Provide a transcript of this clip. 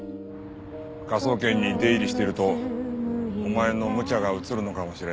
科捜研に出入りしてるとお前のむちゃがうつるのかもしれないな。